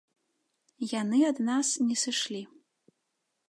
Яны ад нас не сышлі.